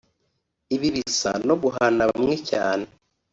“Ibi bisa no guhana bamwe cyane